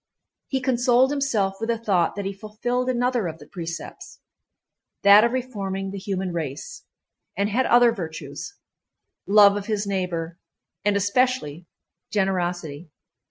He consoled himself with the thought that he fulfilled another of the precepts—that of reforming the human race—and had other virtues—love of his neighbor, and especially generosity.